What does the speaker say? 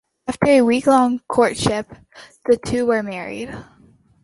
After a week-long courtship, the two were married.